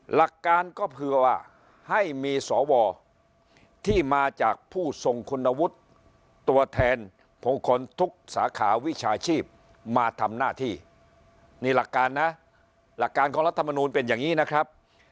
หลักการก็เผื่อว่าให้มีสวที่มาจากผู้ทรงคุณวุฒิตัวแทนพงคลทุกสาขาวิชาชีพมาทำหน้าที่นี่หลักการนะหลักการของรัฐมนูลเป็นอย่างนี้นะครับ